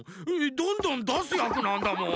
どんどんだすやくなんだもん。